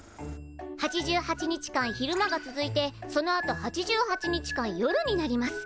８８日間昼間が続いてそのあと８８日間夜になります。